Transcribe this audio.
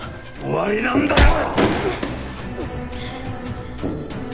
終わりなんだよ！